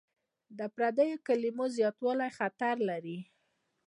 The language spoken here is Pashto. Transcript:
د پردیو کلمو زیاتوالی خطر لري.